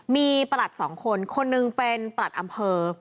มีประหลัดสองคนคนหนึ่งเป็นประหลัดอำเภอ